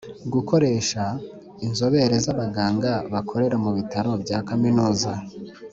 Gukoresha inzobere z’abaganga bakorera mu bitaro bya Kaminuza